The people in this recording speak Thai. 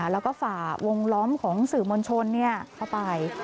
แล้วก็ฝ่าวงล้อมของสื่อมวลชนเข้าไป